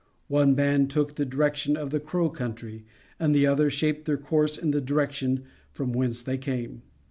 One band took the direction of the Crow country and the other shaped their course in the direction from whence they came.